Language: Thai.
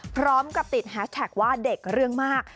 พร้อมกับติดแฮชแท็กว่าเด็กเรื่องมาก